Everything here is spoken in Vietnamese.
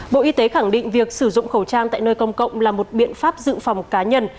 bộ y tế khẳng định việc sử dụng khẩu trang tại nơi công cộng là một biện pháp dự phòng cá nhân